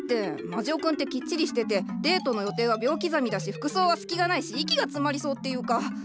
まじお君ってきっちりしててデートの予定は秒刻みだし服装は隙がないし息が詰まりそうっていうか。